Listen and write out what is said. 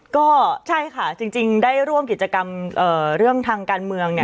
ก็ใช่ค่ะจริงได้ร่วมกิจกรรมเรื่องทางการเมือง